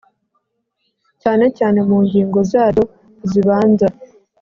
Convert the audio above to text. Cyane cyane mu ngingo zaryo zibanza